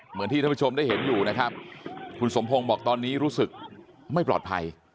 เหมือนที่ท่านผู้ชมได้เห็นอยู่นะครับคุณสมพงศ์บอกตอนนี้รู้สึกไม่ปลอดภัย